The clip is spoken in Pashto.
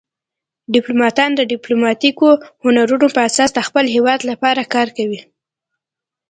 ډیپلوماتان د ډیپلوماتیکو هنرونو په اساس د خپل هیواد لپاره کار کوي